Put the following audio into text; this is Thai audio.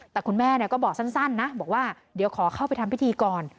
แต่คุณแม่ก็บอกสั้นนะบอกว่าเดี๋ยวขอเข้าไปทำพิธีก่อน